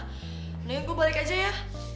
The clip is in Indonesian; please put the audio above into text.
mendingan gue balik aja ya